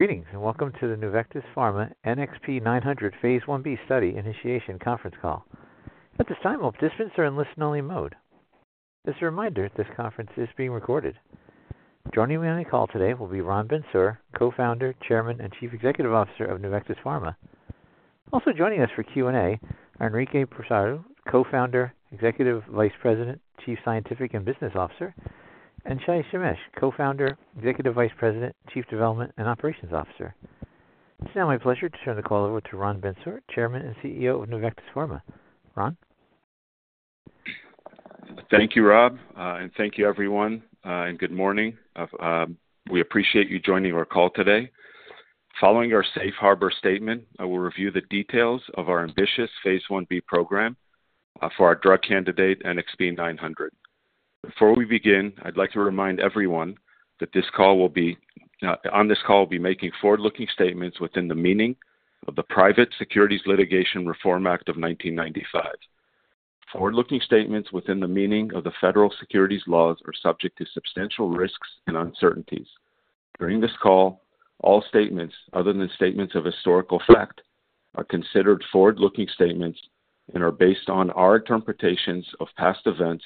Greetings, and welcome to the Nuvectis Pharma NXP900 Phase 1B Study Initiation Conference call. At this time, I'll disconnect our listen-only mode. As a reminder, this conference is being recorded. Joining me on the call today will be Ron Bentsur, Co-founder, Chairman, and Chief Executive Officer of Nuvectis Pharma. Also joining us for Q&A are Enrique Poradosu, Co-founder, Executive Vice President, Chief Scientific and Business Officer, and Shay Shemesh, Co-founder, Executive Vice President, Chief Development and Operations Officer. It's now my pleasure to turn the call over to Ron Bentsur, Chairman and CEO of Nuvectis Pharma. Ron? Thank you, Rob, and thank you, everyone, and good morning. We appreciate you joining our call today. Following our Safe Harbor statement, I will review the details of our ambitious Phase 1B program for our drug candidate NXP900. Before we begin, I'd like to remind everyone that on this call, we'll be making forward-looking statements within the meaning of the Private Securities Litigation Reform Act of 1995. Forward-looking statements within the meaning of the federal securities laws are subject to substantial risks and uncertainties. During this call, all statements other than statements of historical fact are considered forward-looking statements and are based on our interpretations of past events,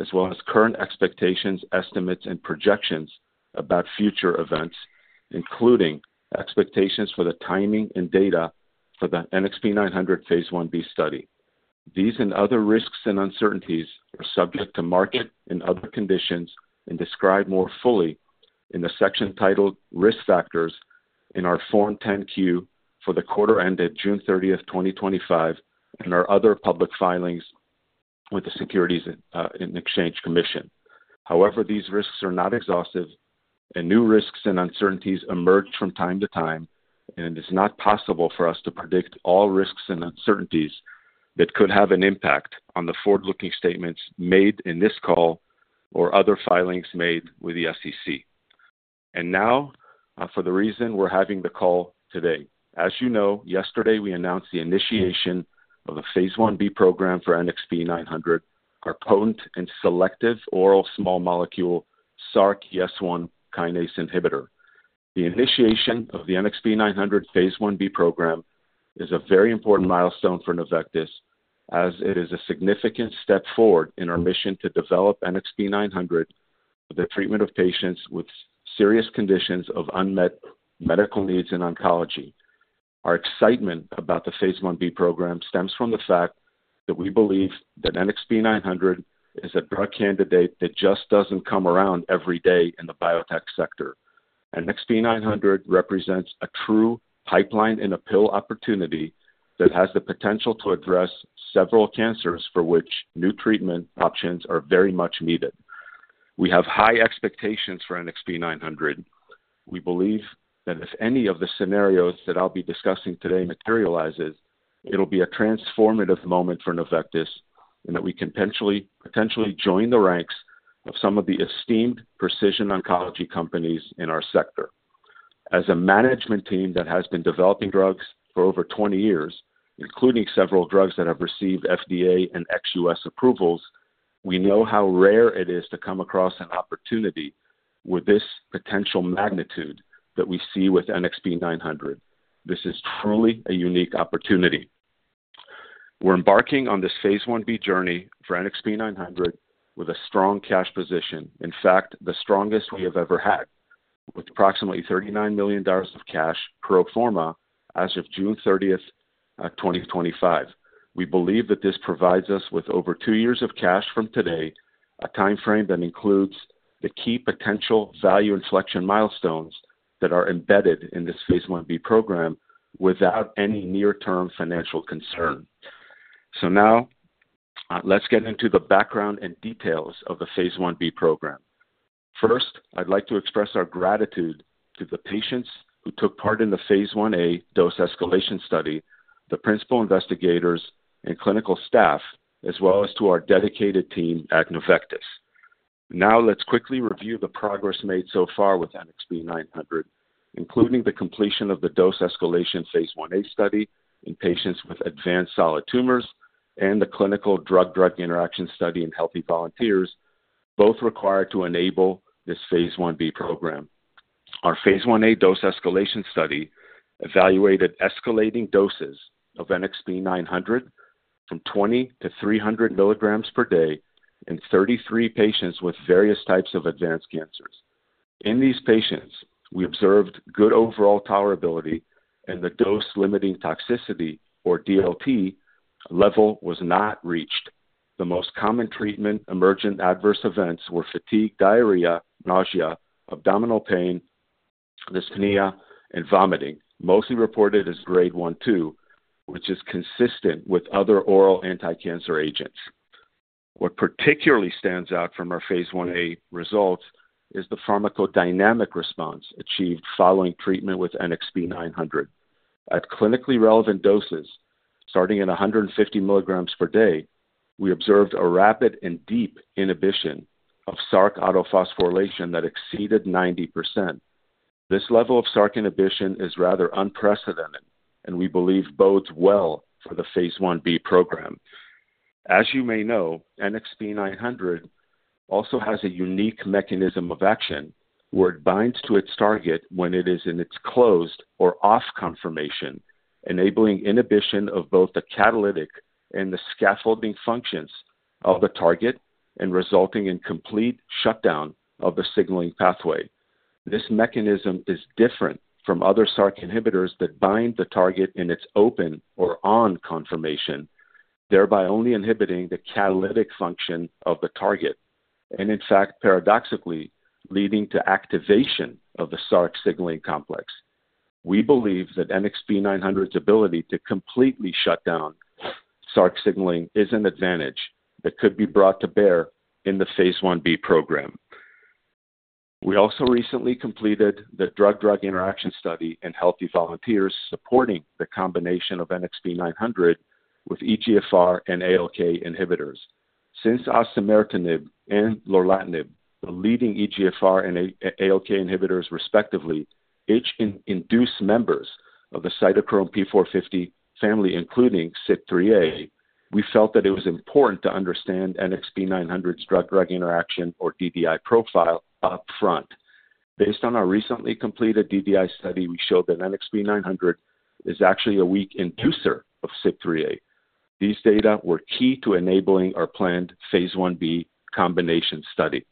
as well as current expectations, estimates, and projections about future events, including expectations for the timing and data for the NXP900 Phase 1B study. These and other risks and uncertainties are subject to market and other conditions and described more fully in the section titled Risk Factors in our Form 10-Q for the quarter ended June 30th, 2025, and our other public filings with the Securities and Exchange Commission. However, these risks are not exhaustive, and new risks and uncertainties emerge from time to time, and it is not possible for us to predict all risks and uncertainties that could have an impact on the forward-looking statements made in this call or other filings made with the SEC. Now, for the reason we're having the call today, as you know, yesterday we announced the initiation of the Phase 1B program for NXP900, our potent and selective oral small molecule SRC/YES1 kinase inhibitor. The initiation of the NXP900 Phase 1B program is a very important milestone for Nuvectis, as it is a significant step forward in our mission to develop NXP900 for the treatment of patients with serious conditions of unmet medical needs in oncology. Our excitement about the Phase 1B program stems from the fact that we believe that NXP900 is a drug candidate that just doesn't come around every day in the biotech sector. NXP900 represents a true pipeline in a pill opportunity that has the potential to address several cancers for which new treatment options are very much needed. We have high expectations for NXP900. We believe that if any of the scenarios that I'll be discussing today materialize, it'll be a transformative moment for Nuvectis and that we can potentially join the ranks of some of the esteemed precision oncology companies in our sector. As a management team that has been developing drugs for over 20 years, including several drugs that have received FDA and ex-U.S. approvals, we know how rare it is to come across an opportunity with this potential magnitude that we see with NXP900. This is truly a unique opportunity. We're embarking on this Phase 1B journey for NXP900 with a strong cash position, in fact, the strongest we have ever had, with approximately $39 million of cash pro forma as of June 30th, 2025. We believe that this provides us with over two years of cash from today, a timeframe that includes the key potential value inflection milestones that are embedded in this Phase 1B program without any near-term financial concern. Now, let's get into the background and details of the Phase 1B program. First, I'd like to express our gratitude to the patients who took part in the Phase 1A dose escalation study, the principal investigators, and clinical staff, as well as to our dedicated team at Nuvectis. Let's quickly review the progress made so far with NXP900, including the completion of the dose escalation Phase 1A study in patients with advanced solid tumors and the clinical drug-drug interaction study in healthy volunteers, both required to enable this Phase 1B program. Our Phase 1A dose escalation study evaluated escalating doses of NXP900 from 20 mg-300 mg per day in 33 patients with various types of advanced cancers. In these patients, we observed good overall tolerability, and the dose-limiting toxicity, or DLT, level was not reached. The most common treatment emergent adverse events were fatigue, diarrhea, nausea, abdominal pain, dyspnea, and vomiting, mostly reported as grade 1-2, which is consistent with other oral anticancer agents. What particularly stands out from our Phase 1A results is the pharmacodynamic response achieved following treatment with NXP900. At clinically relevant doses, starting at 150 milligrams per day, we observed a rapid and deep inhibition of Src autophosphorylation that exceeded 90%. This level of Src inhibition is rather unprecedented, and we believe bodes well for the Phase 1B program. As you may know, NXP900 also has a unique mechanism of action where it binds to its target when it is in its closed or off conformation, enabling inhibition of both the catalytic and the scaffolding functions of the target and resulting in complete shutdown of the signaling pathway. This mechanism is different from other Src inhibitors that bind the target in its open or on conformation, thereby only inhibiting the catalytic function of the target and, in fact, paradoxically, leading to activation of the Src signaling complex. We believe that NXP900's ability to completely shut down Src signaling is an advantage that could be brought to bear in the Phase 1B program. We also recently completed the drug-drug interaction study in healthy volunteers supporting the combination of NXP900 with EGFR and ALK inhibitors. Since osimertinib and lorlatinib, the leading EGFR and ALK inhibitors respectively, each induce members of the cytochrome P450 family, including CYP3A, we felt that it was important to understand NXP900's drug-drug interaction, or DDI, profile upfront. Based on our recently completed DDI study, we showed that NXP900 is actually a weak inducer of CYP3A. These data were key to enabling our planned Phase 1B combination study.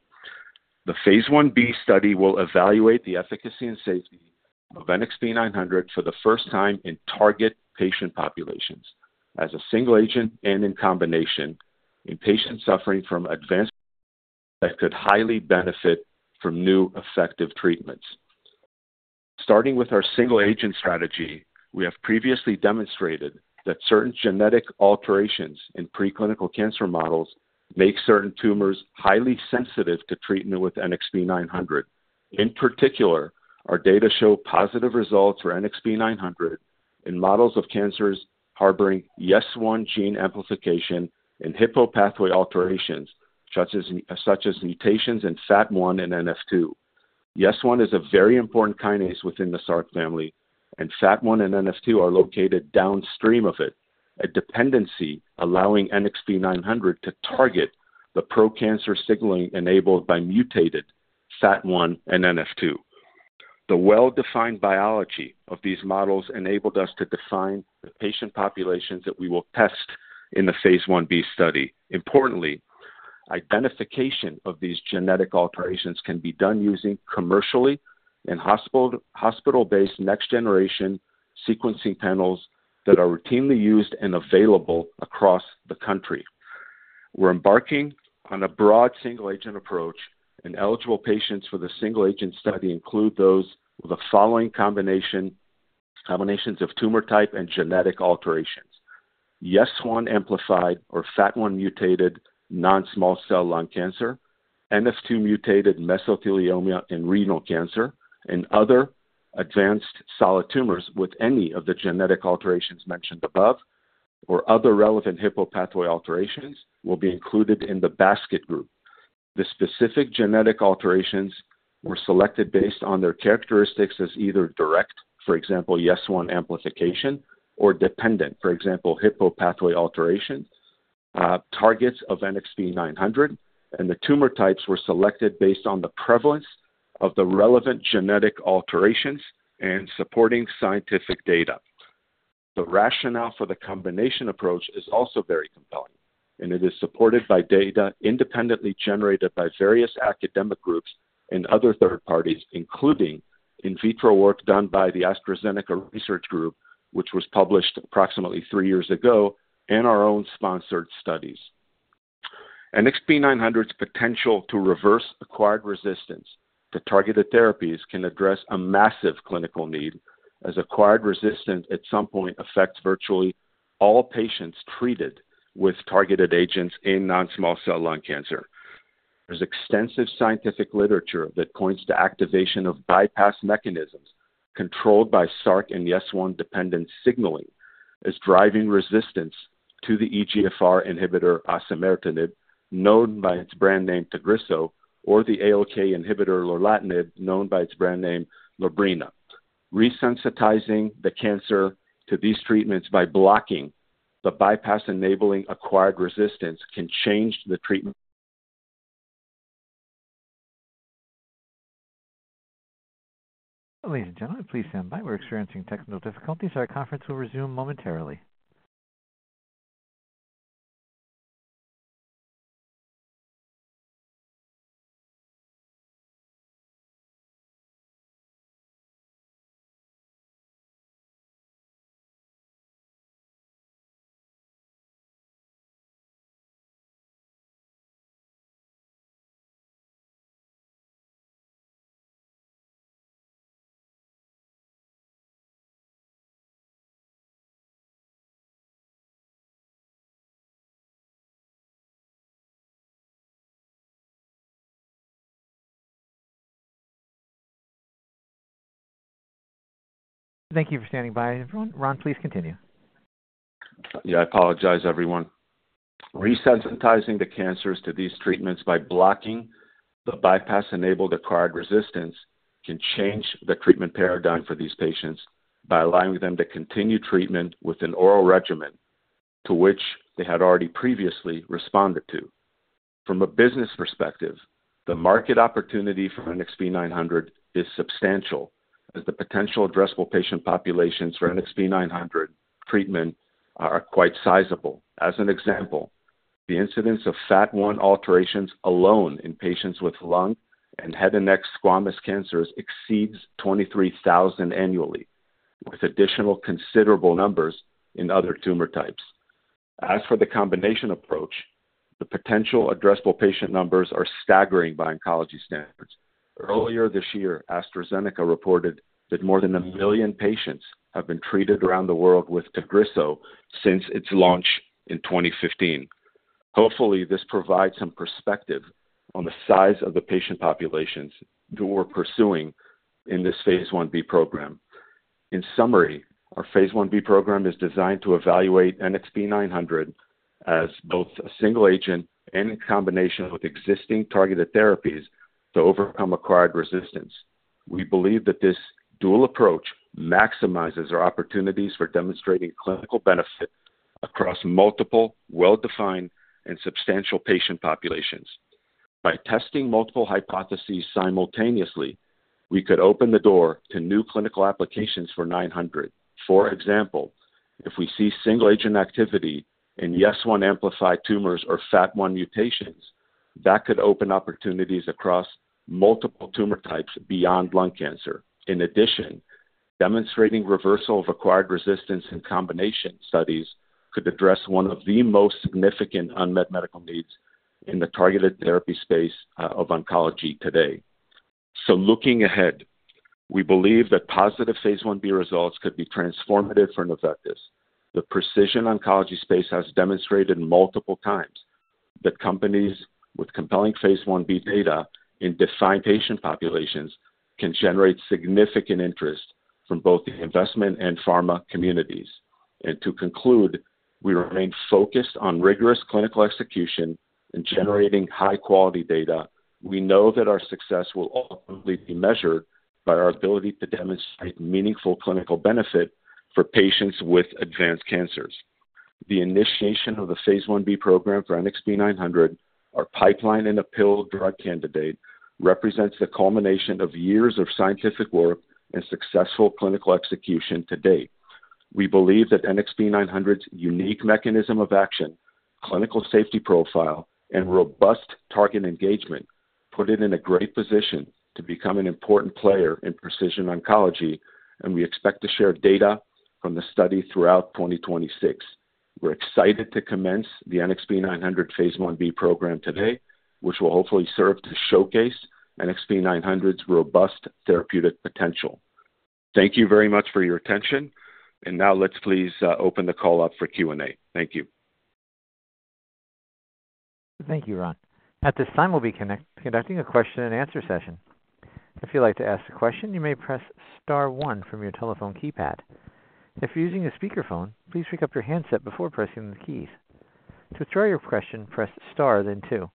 The Phase 1B study will evaluate the efficacy and safety of NXP900 for the first time in target patient populations as a single agent and in combination in patients suffering from advanced cancers that could highly benefit from new effective treatments. Starting with our single-agent strategy, we have previously demonstrated that certain genetic alterations in preclinical cancer models make certain tumors highly sensitive to treatment with NXP900. In particular, our data showed positive results for NXP900 in models of cancers harboring YES1 gene amplification and Hippo pathway alterations, such as mutations in FAT1 and NF2. YES1 is a very important kinase within the Src family, and FAT1 and NF2 are located downstream of it, a dependency allowing NXP900 to target the pro-cancer signaling enabled by mutated FAT1 and NF2. The well-defined biology of these models enabled us to define the patient populations that we will test in the Phase 1B study. Importantly, identification of these genetic alterations can be done using commercially and hospital-based next-generation sequencing panels that are routinely used and available across the country. We're embarking on a broad single-agent approach, and eligible patients for the single-agent study include those with the following combinations of tumor type and genetic alterations. YES1 amplified or FAT1 mutated non-small cell lung cancer, NF2 mutated mesothelioma and renal cancer, and other advanced solid tumors with any of the genetic alterations mentioned above, or other relevant Hippo pathway alterations will be included in the basket group. The specific genetic alterations were selected based on their characteristics as either direct, for example, YES1 amplification, or dependent, for example, Hippo pathway alteration, targets of NXP900, and the tumor types were selected based on the prevalence of the relevant genetic alterations and supporting scientific data. The rationale for the combination approach is also very compelling, and it is supported by data independently generated by various academic groups and other third parties, including in vitro work done by the AstraZeneca Research Group, which was published approximately three years ago, and our own sponsored studies. NXP900's potential to reverse acquired resistance to targeted therapies can address a massive clinical need, as acquired resistance at some point affects virtually all patients treated with targeted agents in non-small cell lung cancer. There's extensive scientific literature that points to activation of bypass mechanisms controlled by Src and YES1 dependent signaling as driving resistance to the EGFR inhibitor osimertinib, known by its brand name Tagrisso, or the ALK inhibitor lorlatinib, known by its brand name Lorbrena. Resensitizing the cancer to these treatments by blocking the bypass-enabling acquired resistance can change the treatment. Ladies and gentlemen, please stand by. We're experiencing technical difficulties. Our conference will resume momentarily. Thank you for standing by, everyone. Ron, please continue. Yeah, I apologize, everyone. Resensitizing the cancers to these treatments by blocking the bypass-enabled acquired resistance can change the treatment paradigm for these patients by allowing them to continue treatment with an oral regimen to which they had already previously responded to. From a business perspective, the market opportunity for NXP900 is substantial, as the potential addressable patient populations for NXP900 treatment are quite sizable. As an example, the incidence of FAT1 alterations alone in patients with lung and head and neck squamous cancers exceeds 23,000 annually, with additional considerable numbers in other tumor types. As for the combination approach, the potential addressable patient numbers are staggering by oncology standards. Earlier this year, AstraZeneca reported that more than a million patients have been treated around the world with Tagrisso since its launch in 2015. Hopefully, this provides some perspective on the size of the patient populations that we're pursuing in this Phase 1B program. In summary, our Phase 1B program is designed to evaluate NXP900 as both a single agent and in combination with existing targeted therapies to overcome acquired resistance. We believe that this dual approach maximizes our opportunities for demonstrating clinical benefit across multiple well-defined and substantial patient populations. By testing multiple hypotheses simultaneously, we could open the door to new clinical applications for NXP900. For example, if we see single-agent activity in YES1 amplified tumors or FAT1 mutations, that could open opportunities across multiple tumor types beyond lung cancer. In addition, demonstrating reversal of acquired resistance in combination studies could address one of the most significant unmet medical needs in the targeted therapy space of oncology today. Looking ahead, we believe that positive Phase 1B results could be transformative for Nuvectis Pharma. The precision oncology space has demonstrated multiple times that companies with compelling Phase 1B data in defined patient populations can generate significant interest from both the investment and pharma communities. To conclude, we remain focused on rigorous clinical execution and generating high-quality data. We know that our success will ultimately be measured by our ability to demonstrate meaningful clinical benefit for patients with advanced cancers. The initiation of the Phase 1B program for NXP900, our pipeline in a pill drug candidate, represents the culmination of years of scientific work and successful clinical execution to date. We believe that NXP900's unique mechanism of action, clinical safety profile, and robust target engagement put it in a great position to become an important player in precision oncology, and we expect to share data from the study throughout 2026. We're excited to commence the NXP900 Phase 1B program today, which will hopefully serve to showcase NXP900's robust therapeutic potential. Thank you very much for your attention, and now let's please open the call up for Q&A. Thank you. Thank you, Ron. At this time, we'll be conducting a question and answer session. If you'd like to ask a question, you may press star one from your telephone keypad. If you're using a speakerphone, please pick up your handset before pressing the keys. To withdraw your question, press star then two.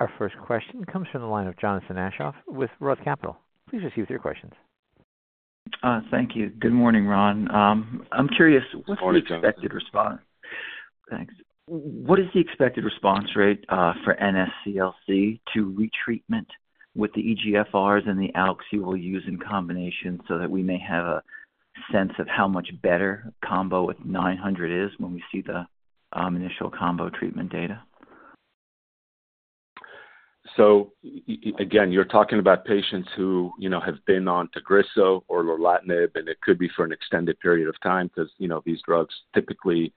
Our first question comes from the line of Jonathan Aschoff with Roth Capital. Please proceed with your questions. Thank you. Good morning, Ron. I'm curious. Morning, Jonathan. What's the expected response? Thanks. What is the expected response rate for NSCLC to retreatment with the EGFRs and the ALK inhibitors you will use in combination so that we may have a sense of how much better combo with NXP900 is when we see the initial combo treatment data? You're talking about patients who have been on Tagrisso or lorlatinib, and it could be for an extended period of time because these drugs typically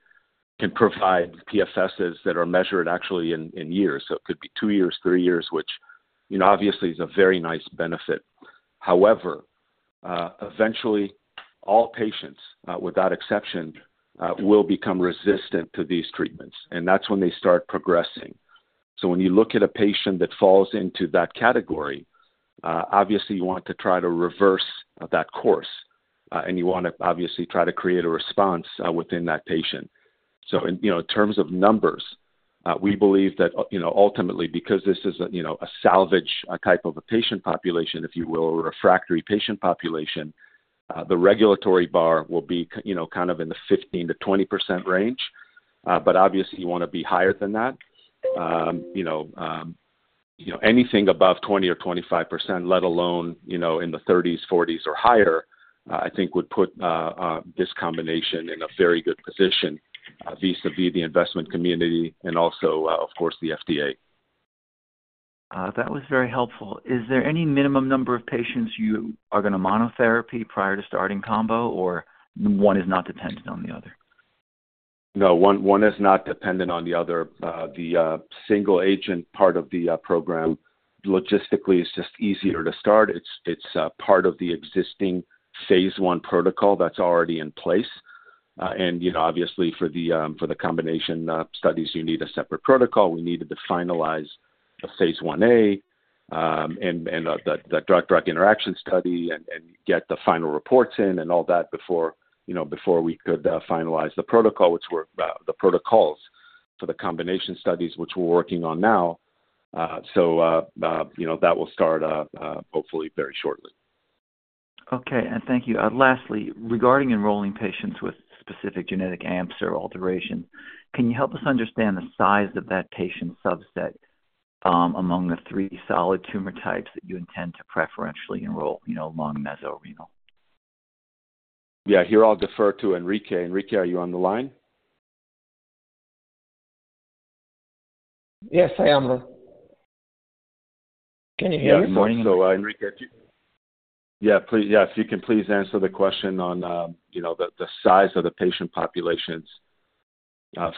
can provide PFSs that are measured actually in years. It could be two years, three years, which obviously is a very nice benefit. However, eventually, all patients, without exception, will become resistant to these treatments, and that's when they start progressing. When you look at a patient that falls into that category, obviously, you want to try to reverse that course, and you want to obviously try to create a response within that patient. In terms of numbers, we believe that ultimately, because this is a salvage type of a patient population, if you will, a refractory patient population, the regulatory bar will be kind of in the 15%-20% range, but obviously, you want to be higher than that. Anything above 20% or 25%, let alone in the 30s, 40s, or higher, I think would put this combination in a very good position vis-à-vis the investment community and also, of course, the FDA. That was very helpful. Is there any minimum number of patients you are going to monotherapy prior to starting combo, or one is not dependent on the other? No, one is not dependent on the other. The single agent part of the program logistically is just easier to start. It's part of the existing Phase 1 protocol that's already in place, and obviously, for the combination studies, you need a separate protocol. We needed to finalize the Phase 1A and the drug-drug interaction study and get the final reports in and all that before we could finalize the protocol, which were the protocols for the combination studies which we're working on now. That will start hopefully very shortly. Okay, thank you. Lastly, regarding enrolling patients with specific genetic alterations or mutations, can you help us understand the size of that patient subset among the three solid tumor types that you intend to preferentially enroll, you know, lung, meso, renal? Yeah, here I'll defer to Enrique. Enrique, are you on the line? Yes, I am. Can you hear me? Enrique, if you can, please answer the question on the size of the patient populations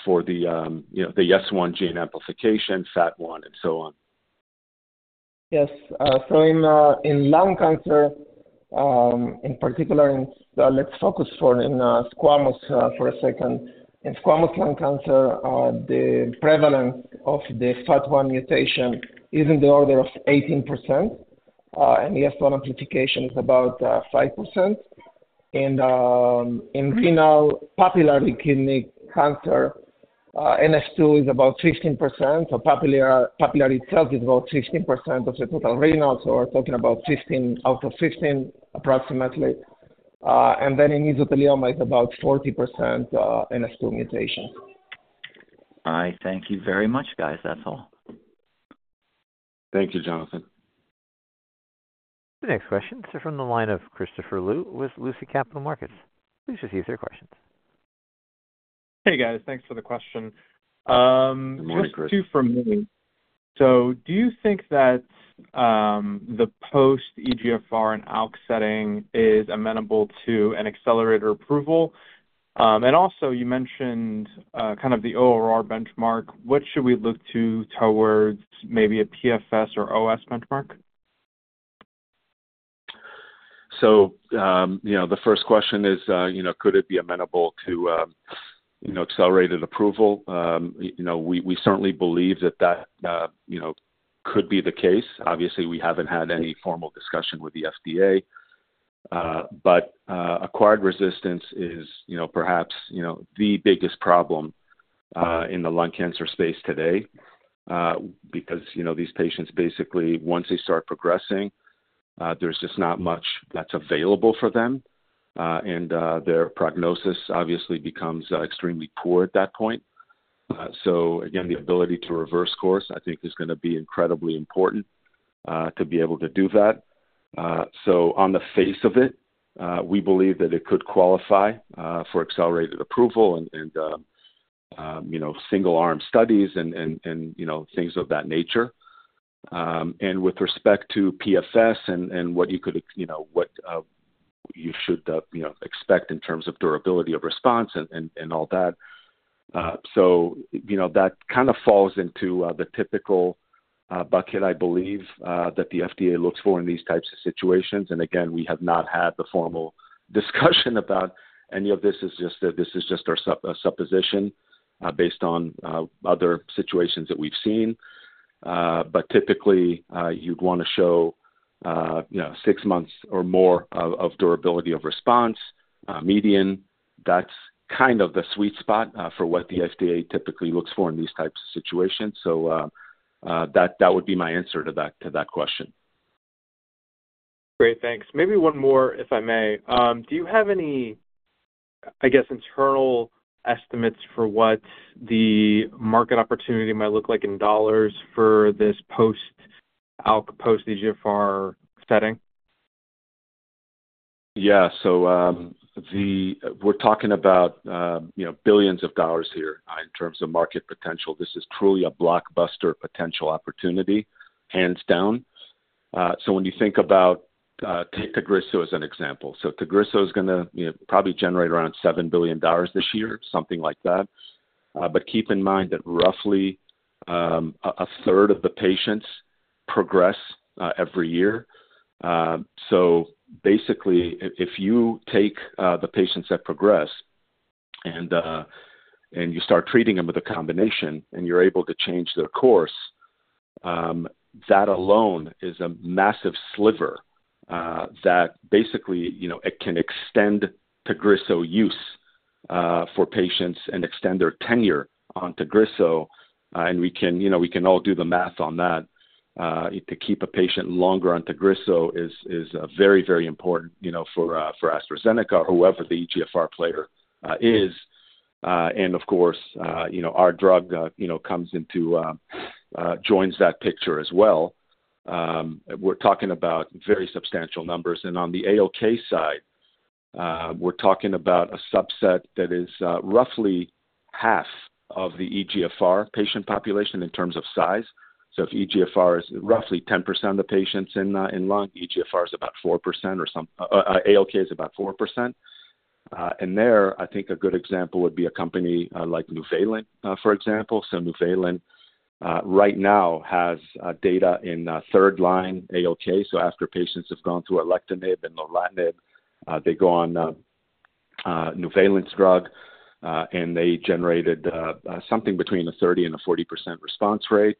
for the YES1 gene amplification, FAT1, and so on. Yes, so in lung cancer, in particular, let's focus on squamous for a second. In squamous lung cancer, the prevalence of the FAT1 mutation is in the order of 18%, and YES1 amplification is about 5%. In renal papillary kidney cancer, NF2 is about 15%. Papillary cells are about 15% of the total renal, so we're talking about out of 15, approximately. In mesothelioma, it's about 40% NF2 mutations. All right, thank you very much, guys. That's all. Thank you, Jonathan. The next question is from the line of Christopher Liu with Lucid Capital Markets. Please receive your questions. Hey, guys, thanks for the question. Of course, Chris. Do you think that the post-EGFR and ALK setting is amenable to an accelerated approval? You mentioned kind of the ORR benchmark. What should we look to towards maybe a PFS or OS benchmark? The first question is, could it be amenable to accelerated approval? We certainly believe that could be the case. Obviously, we haven't had any formal discussion with the FDA, but acquired resistance is perhaps the biggest problem in the lung cancer space today because these patients basically, once they start progressing, there's just not much that's available for them, and their prognosis obviously becomes extremely poor at that point. The ability to reverse course, I think, is going to be incredibly important to be able to do that. On the face of it, we believe that it could qualify for accelerated approval and single-arm studies and things of that nature. With respect to PFS and what you should expect in terms of durability of response and all that, that kind of falls into the typical bucket, I believe, that the FDA looks for in these types of situations. Again, we have not had the formal discussion about any of this. This is just our supposition based on other situations that we've seen. Typically, you'd want to show six months or more of durability of response, median. That's kind of the sweet spot for what the FDA typically looks for in these types of situations. That would be my answer to that question. Great, thanks. Maybe one more, if I may. Do you have any internal estimates for what the market opportunity might look like in dollars for this post-ALK, post-EGFR setting? Yeah, so, we're talking about, you know, billions of dollars here in terms of market potential. This is truly a blockbuster potential opportunity, hands down. When you think about, take Tagrisso as an example. Tagrisso is going to probably generate around $7 billion this year, something like that. Keep in mind that roughly a third of the patients progress every year. Basically, if you take the patients that progress and you start treating them with a combination and you're able to change their course, that alone is a massive sliver that basically, you know, it can extend Tagrisso use for patients and extend their tenure on Tagrisso. We can, you know, we can all do the math on that. To keep a patient longer on Tagrisso is very, very important, you know, for AstraZeneca or whoever the EGFR player is. Of course, you know, our drug, you know, comes into, joins that picture as well. We're talking about very substantial numbers. On the ALK side, we're talking about a subset that is roughly half of the EGFR patient population in terms of size. If EGFR is roughly 10% of the patients in lung, ALK is about 4%. There, I think a good example would be a company like Nuvalent, for example. Nuvalent right now has data in third-line ALK. After patients have gone through alectinib and lorlatinib, they go on Nuvalent's drug and they generated something between a 30% and a 40% response rate.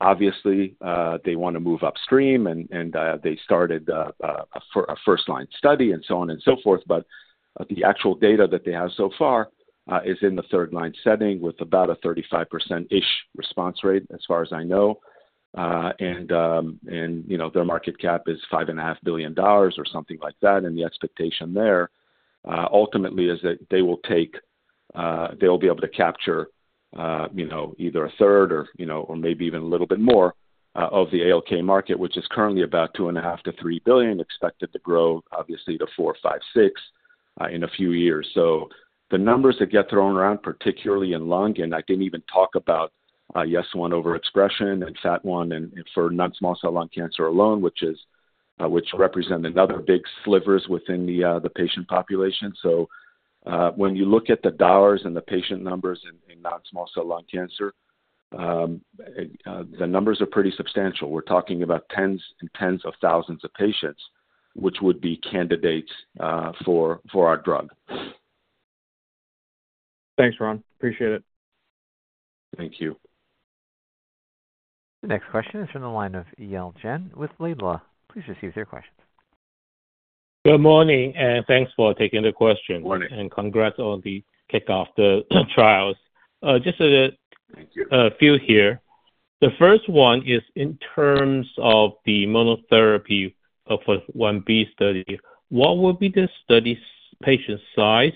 Obviously, they want to move upstream and they started a first-line study and so on and so forth. The actual data that they have so far is in the third-line setting with about a 35%-ish response rate, as far as I know. Their market cap is $5.5 billion or something like that. The expectation there ultimately is that they will take, they will be able to capture, you know, either a third or, you know, or maybe even a little bit more of the ALK market, which is currently about $2.5 billion-$3 billion, expected to grow obviously to $4 billion, $5 billion, $6 billion in a few years. The numbers that get thrown around, particularly in lung, and I didn't even talk about YES1 overexpression and FAT1 for non-small cell lung cancer alone, which represent another big sliver within the patient population. When you look at the dollars and the patient numbers in non-small cell lung cancer, the numbers are pretty substantial. We're talking about tens and tens of thousands of patients, which would be candidates for our drug. Thanks, Ron. Appreciate it. Thank you. The next question is from the line of El Jen with Libra. Please proceed with your question. Good morning, and thanks for taking the question. Good morning. Congrats on the kickoff, the trials. Just a few here. The first one is in terms of the monotherapy for 1B study. What will be the study patient size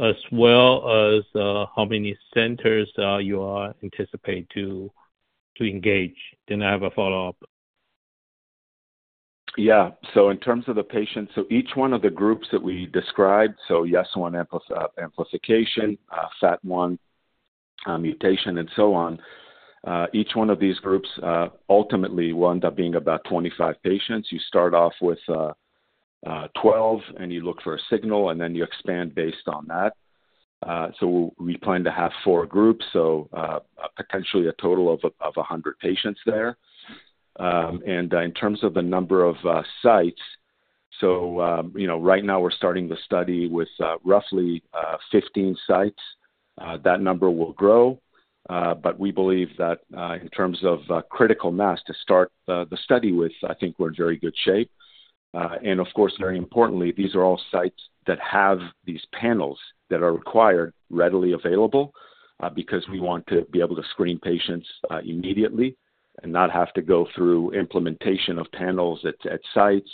as well as how many centers you anticipate to engage? I have a follow-up. Yeah, so, in terms of the patients, each one of the groups that we described, so YES1 amplification, FAT1 mutation, and so on, each one of these groups ultimately will end up being about 25 patients. You start off with 12 and you look for a signal, then you expand based on that. We plan to have four groups, so potentially a total of 100 patients there. In terms of the number of sites, right now we're starting the study with roughly 15 sites. That number will grow, but we believe that in terms of critical mass to start the study with, I think we're in very good shape. Of course, very importantly, these are all sites that have these panels that are required readily available because we want to be able to screen patients immediately and not have to go through implementation of panels at sites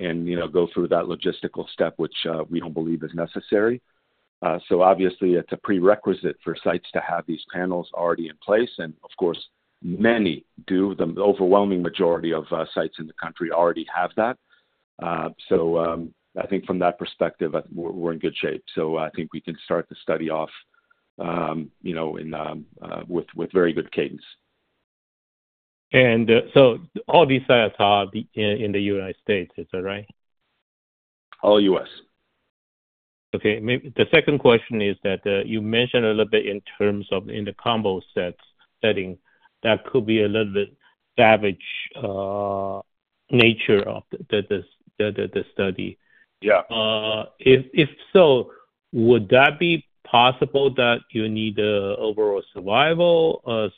and go through that logistical step, which we don't believe is necessary. Obviously, it's a prerequisite for sites to have these panels already in place. Many do. The overwhelming majority of sites in the country already have that. I think from that perspective, we're in good shape. I think we can start the study off with very good cadence. All these sites are in the United States, is that right? All U.S. Okay. The second question is that you mentioned a little bit in terms of in the combo setting that could be a little bit savage nature of the study. Yeah. If so, would that be possible that you need an overall survival of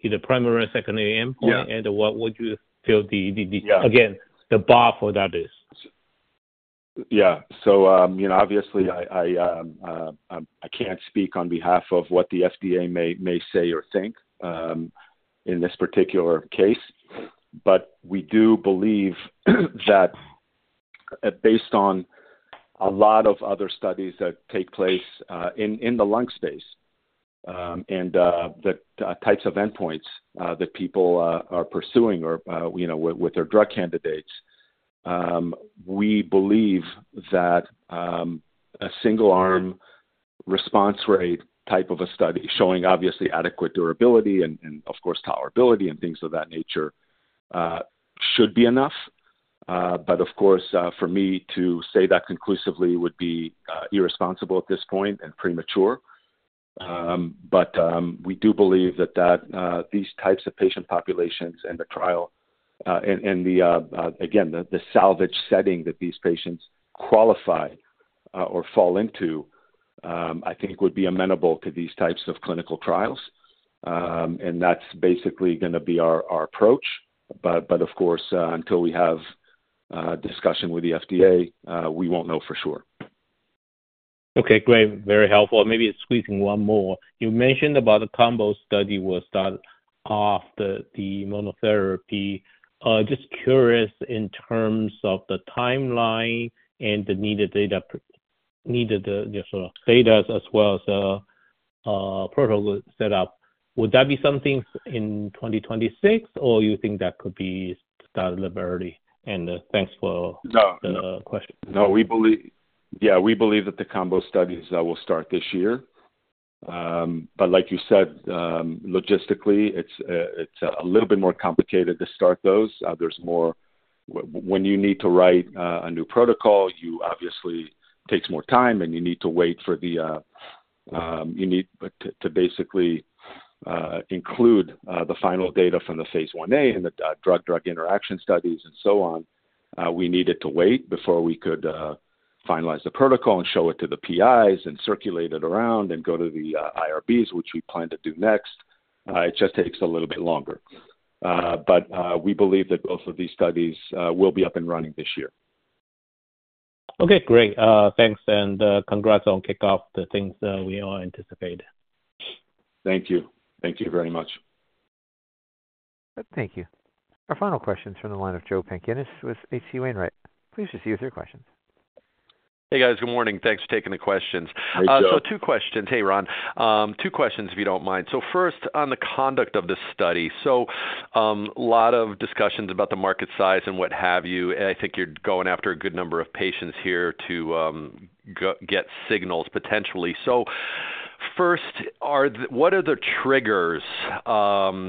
either primary or secondary endpoint? Yeah. What would you feel the, again, the bar for that is? Yeah, so, obviously, I can't speak on behalf of what the FDA may say or think in this particular case. We do believe that based on a lot of other studies that take place in the lung space and the types of endpoints that people are pursuing with their drug candidates, we believe that a single-arm response rate type of a study showing obviously adequate durability and, of course, tolerability and things of that nature should be enough. For me to say that conclusively would be irresponsible at this point and premature. We do believe that these types of patient populations and the trial and, again, the salvage setting that these patients qualify or fall into, I think, would be amenable to these types of clinical trials. That's basically going to be our approach. Of course, until we have a discussion with the FDA, we won't know for sure. Okay, great. Very helpful. Maybe squeezing one more. You mentioned about the combo study will start after the monotherapy. Just curious in terms of the timeline and the needed data, needed the sort of status as well as the protocol setup. Would that be something in 2026, or do you think that could be started liberally? Thanks for the question. We believe that the combo studies will start this year. Like you said, logistically, it's a little bit more complicated to start those. There's more, when you need to write a new protocol, it obviously takes more time, and you need to wait for the, you need to basically include the final data from the Phase 1A and the drug-drug interaction studies and so on. We needed to wait before we could finalize the protocol and show it to the PIs and circulate it around and go to the IRBs, which we plan to do next. It just takes a little bit longer. We believe that both of these studies will be up and running this year. Okay, great. Thanks. Congrats on kickoff, the things that we all anticipate. Thank you. Thank you very much. Thank you. Our final question is from the line of Joe Pantginis with H.C. Wainwright. Please receive your question. Hey, guys, good morning. Thanks for taking the questions. Hi. Two questions. Hey, Ron. Two questions, if you don't mind. First, on the conduct of this study. There are a lot of discussions about the market size and what have you. I think you're going after a good number of patients here to get signals potentially. What are the triggers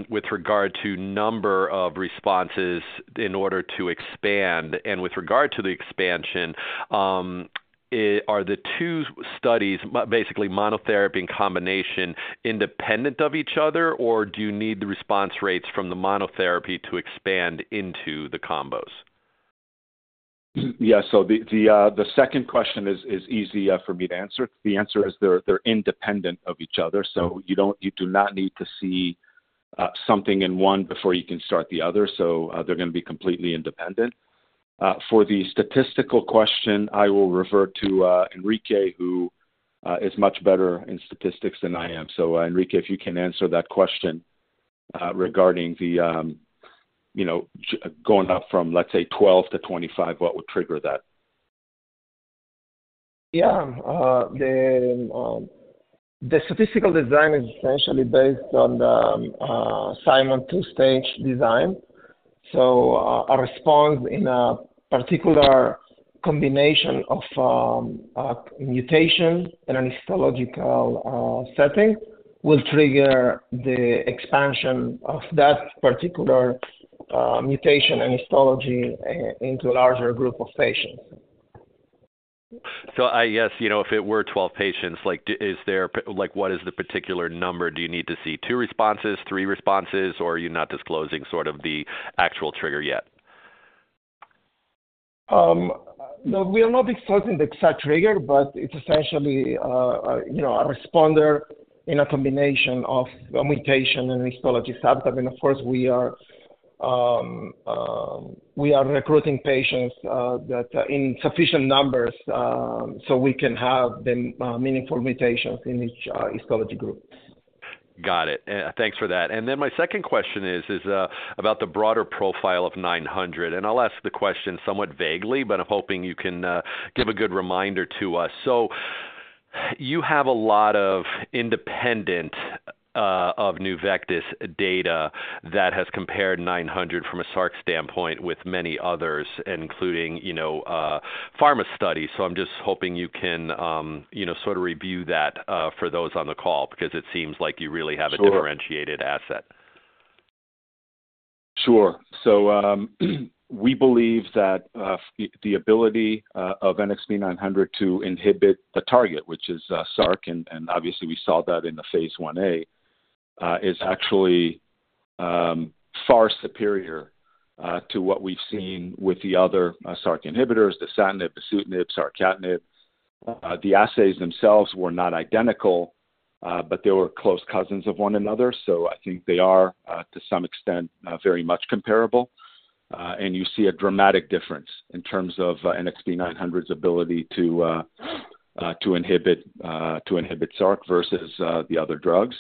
with regard to the number of responses in order to expand? With regard to the expansion, are the two studies, basically monotherapy and combination, independent of each other, or do you need the response rates from the monotherapy to expand into the combos? Yeah, the second question is easy for me to answer. The answer is they're independent of each other. You do not need to see something in one before you can start the other. They're going to be completely independent. For the statistical question, I will refer to Enrique, who is much better in statistics than I am. Enrique, if you can answer that question regarding going up from, let's say, 12 patients-25 patients, what would trigger that? Yeah, the statistical design is essentially based on Simon two-stage design. A response in a particular combination of mutations in a histological setting will trigger the expansion of that particular mutation and histology into a larger group of patients. If it were 12 patients, is there, what is the particular number? Do you need to see two responses, three responses, or are you not disclosing the actual trigger yet? No, we are not disclosing the exact trigger, but it's essentially a responder in a combination of a mutation and histology subset. Of course, we are recruiting patients in sufficient numbers so we can have meaningful mutations in each histology group. Got it. Thanks for that. My second question is about the broader profile of 900. I'll ask the question somewhat vaguely, but I'm hoping you can give a good reminder to us. You have a lot of independent Nuvectis data that has compared 900 from a Src standpoint with many others, including pharma studies. I'm just hoping you can sort of review that for those on the call because it seems like you really have a differentiated asset. Sure. We believe that the ability of NXP900 to inhibit the target, which is Src, and obviously, we saw that in the Phase 1A, is actually far superior to what we've seen with the other Src inhibitors, the sunitinib, saracatinib. The assays themselves were not identical, but they were close cousins of one another. I think they are, to some extent, very much comparable. You see a dramatic difference in terms of NXP900's ability to inhibit Src versus the other drugs.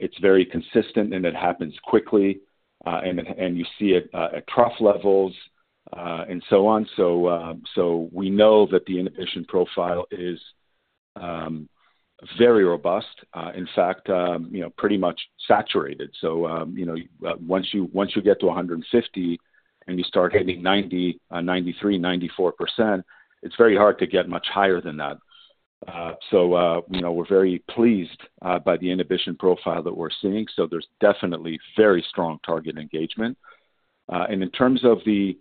It's very consistent, and it happens quickly, and you see it at trough levels and so on. We know that the inhibition profile is very robust. In fact, pretty much saturated. Once you get to 150 and you start hitting 90%, 93%, 94%, it's very hard to get much higher than that. We're very pleased by the inhibition profile that we're seeing. There's definitely very strong target engagement. In terms of the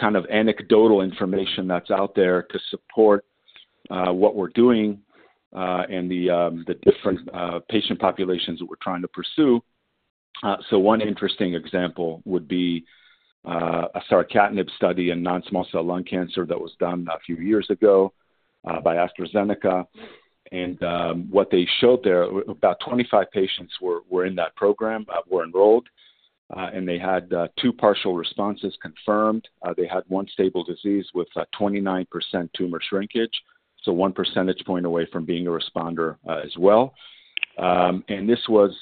kind of anecdotal information that's out there to support what we're doing and the different patient populations that we're trying to pursue, one interesting example would be a saracatinib study in non-small cell lung cancer that was done a few years ago by AstraZeneca. What they showed there, about 25 patients were in that program, were enrolled, and they had two partial responses confirmed. They had one stable disease with 29% tumor shrinkage, 1% away from being a responder as well. This was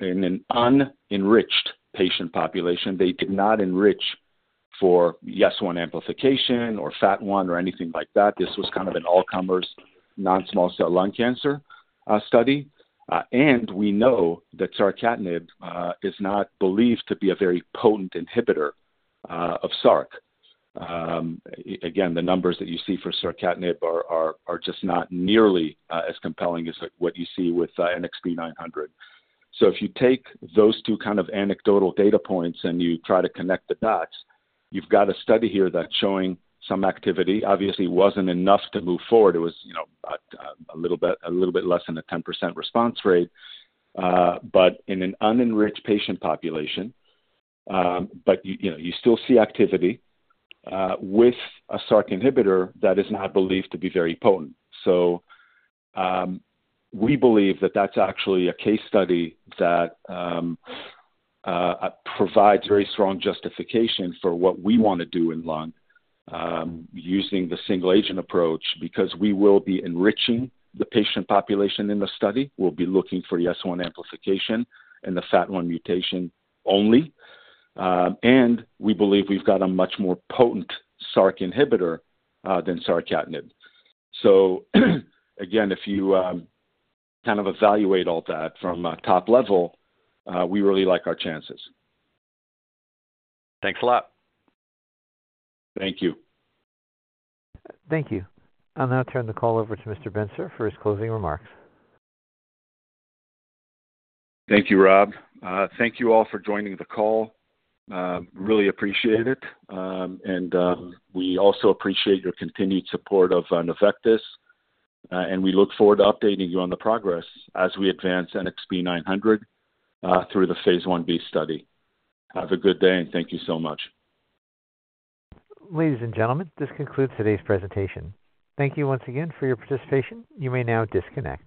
in an unenriched patient population. They did not enrich for YES1 amplification or FAT1 or anything like that. This was kind of an all-comers non-small cell lung cancer study. We know that saracatinib is not believed to be a very potent inhibitor of Sr. Again, the numbers that you see for saracatinib are just not nearly as compelling as what you see with NXP900. If you take those two kind of anecdotal data points and you try to connect the dots, you've got a study here that's showing some activity. Obviously, it wasn't enough to move forward. It was a little bit less than a 10% response rate, but in an unenriched patient population. You still see activity with a Src inhibitor that is not believed to be very potent. We believe that that's actually a case study that provides very strong justification for what we want to do in lung using the single-agent approach because we will be enriching the patient population in the study. We'll be looking for YES1 amplification and the FAT1 mutation only. We believe we've got a much more potent Src inhibitor than saracatinib. If you kind of evaluate all that from a top level, we really like our chances. Thanks a lot. Thank you. Thank you. I'll now turn the call over to Mr. Bentsur for his closing remarks. Thank you, Rob. Thank you all for joining the call. Really appreciate it. We also appreciate your continued support of Nuvectis. We look forward to updating you on the progress as we advance NXP900 through the Phase 1B study. Have a good day, and thank you so much. Ladies and gentlemen, this concludes today's presentation. Thank you once again for your participation. You may now disconnect.